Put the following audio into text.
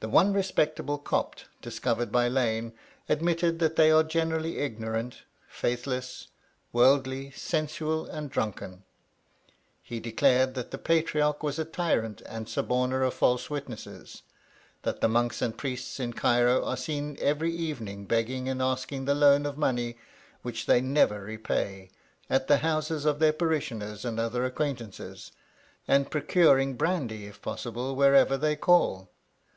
The one respectable Copt discovered by Lane admitted that they are generally ignorant, faithless, worldly, sensual, and drunken; he declared that the Patriarch was a tyrant and suborner of false witnesses; that the monks and priests in Cairo are seen every evening begging and asking the loan of money, which they never repay, at the houses of their parishioners and other acquaintances, and procuring brandy if possible wherever they call.